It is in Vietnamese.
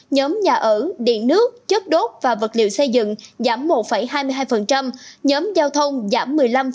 nhóm nhà ở điện nước chất đốt và vật liệu xây dựng giảm một hai mươi hai nhóm giao thông giảm một mươi năm năm mươi hai